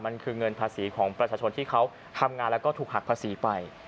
มันคือเงินภาษีของประชาชนที่เขาทำงานแล้วก็ถูกหักภาษีไป